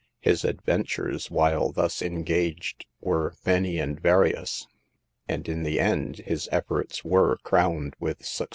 His adventures while thus engaged were many and various; and in the end his efforts were crowned with success.